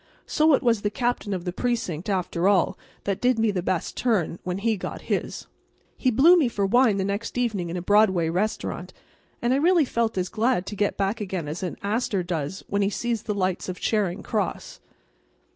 So it was the Captain of the precinct, after all, that did me the best turn, when he got his. He blew me for wine the next evening in a Broadway restaurant; and I really felt as glad to get back again as an Astor does when he sees the lights of Charing Cross.